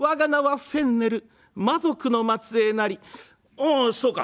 「おおそうか。